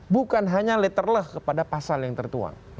bukan hanya letter leh kepada pasal yang tertentu